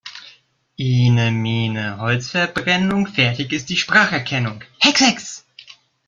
Ene mene Holzverbrennung, fertig ist die Spracherkennung. Hex, hex!